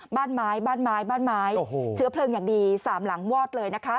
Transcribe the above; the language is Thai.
บ้านไม้เชื้อเพลิงอย่างดีสามหลังวอดเลยนะคะ